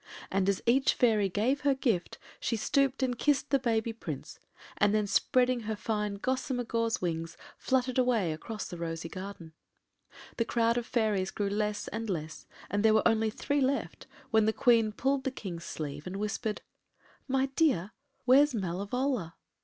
And as each fairy gave her gift she stooped and kissed the baby Prince, and then spreading her fine gossamer gauze wings, fluttered away across the rosy garden. The crowd of fairies grew less and less, and there were only three left when the Queen pulled the King’s sleeve and whispered, “My dear, where’s Malevola?